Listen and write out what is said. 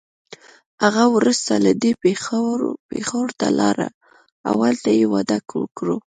هغه وروسته له دې پېښور ته لاړه او هلته يې واده وکړ.